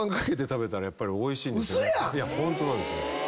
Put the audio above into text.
嘘やん⁉いやホントなんですよ。